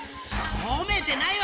ほめてないわ！